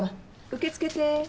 受け付けて。